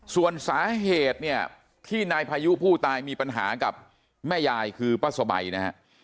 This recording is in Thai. ส่วนสาเหตุเนี่ยที่นายพายุผู้ตายมีปัญหากับแม่ยายคือป้าสบายนะฮะ